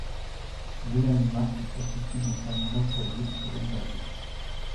Wilhelm Marc est issu d'une famille d'employés de Haute-Bavière.